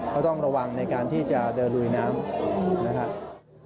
ก็ต้องระวังในการที่จะเดินลุยน้ำนะครับ